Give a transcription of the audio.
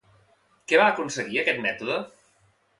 Què va aconseguir aquest mètode?